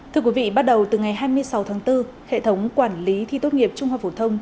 thưa quý vị bắt đầu từ ngày hai mươi sáu tháng bốn hệ thống quản lý thi tốt nghiệp trung học phổ thông